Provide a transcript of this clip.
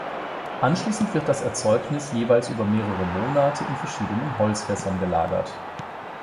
Anschließend wird das Erzeugnis jeweils über mehrere Monate in verschiedenen Holzfässern gelagert.